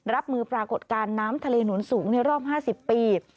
รับมือปรากฏการณ์น้ำทะเลหนุนสูงในรอบ๕๐ปี